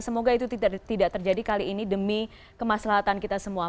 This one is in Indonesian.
semoga itu tidak terjadi kali ini demi kemaslahatan kita semua